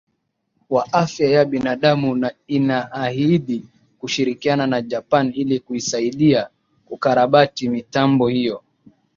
wa afya ya binadamu na inaahidi kushirikiana na japan ili kuisaidia kukarabati mitambo hiyo